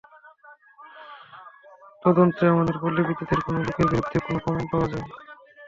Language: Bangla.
তদন্তে আমাদের পল্লী বিদ্যুতের কোনো লোকের বিরুদ্ধে কোনো প্রমাণ পাওয়া যায়নি।